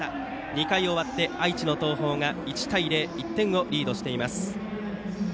２回を終わって愛知の東邦が１対０と１点をリードしています。